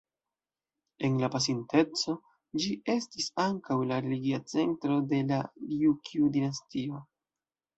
En la pasinteco ĝi estis ankaŭ la religia centro de la Rjukju-dinastio.